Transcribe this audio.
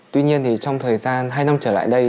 tuy nhiên thì trong thời gian hai năm trở lại đây